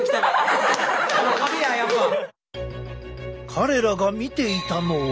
彼らが見ていたのは。